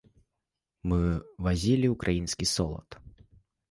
Мы вазілі ўкраінскі солад.